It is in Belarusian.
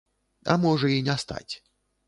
А можа і не стаць.